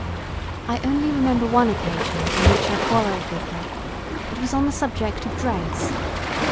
I only remember one occasion on which I quarrelled with her——it was on the subject of dress.